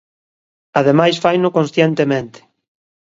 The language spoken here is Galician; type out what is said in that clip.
Ademais faino conscientemente.